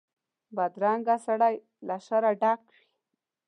بدرنګه سړی له شره ډک وي